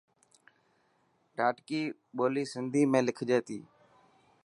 ڌاٽڪي ٻولي سنڌي ۾ لکجي ٿي.